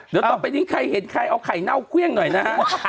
เดี๋ยวต่อไปนี้ใครเห็นใครเอาไข่เน่าเครื่องหน่อยนะฮะ